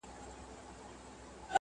لکه جوړه له بلوړو مرغلینه،